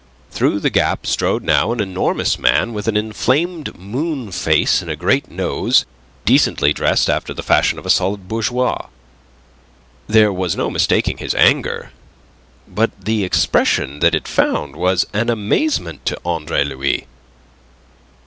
Through the gap strode now an enormous man with an inflamed moon face and a great nose, decently dressed after the fashion of a solid bourgeois. There was no mistaking his anger, but the expression that it found was an amazement to Andre Louis.